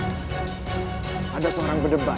kita menyuruh orang fikirlah